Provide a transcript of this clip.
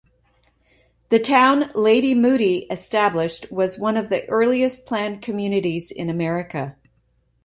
The town Lady Moody established was one of the earliest planned communities in America.